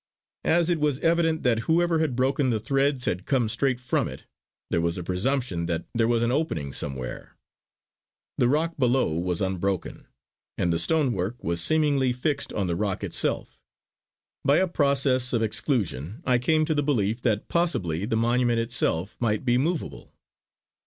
As it was evident that whoever had broken the threads had come straight from it, there was a presumption that there was an opening somewhere. The rock below was unbroken and the stonework was seemingly fixed on the rock itself. By a process of exclusions I came to the belief that possibly the monument itself might be moveable.